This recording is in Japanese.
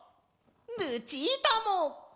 ルチータも！